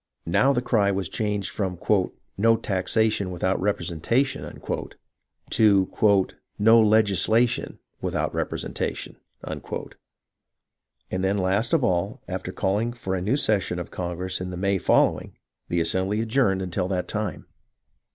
Now the cry was changed from " No taxation without representation " to No legislation with out representation "; and then last of all, after calling for a new session of Congress in the May following, the assem bly adjourned until that time.